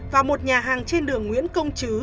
vào một nhà hàng trên đường nguyễn công chứ